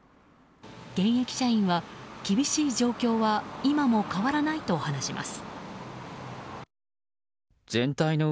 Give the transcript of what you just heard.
現役社員は厳しい状況は今も変わらないと話します。